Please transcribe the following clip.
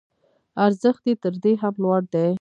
ارزښت یې تر دې هم لوړ دی.